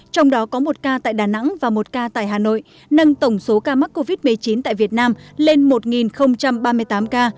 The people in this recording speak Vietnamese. trong đó có một ca tại đà nẵng và một ca tại hà nội nâng tổng số ca mắc covid một mươi chín tại việt nam lên một ba mươi tám ca